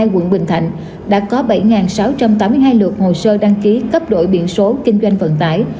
quận bình thạnh đã có bảy sáu trăm tám mươi hai lượt hồ sơ đăng ký cấp đổi biển số kinh doanh vận tải